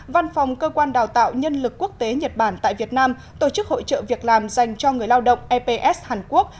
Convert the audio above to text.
văn phòng cơ quan đào tạo nhân lực quốc tế nhật bản tại việt nam tổ chức hội trợ việc làm dành cho người lao động eps hàn quốc